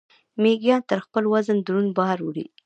میږیان تر خپل وزن دروند بار وړي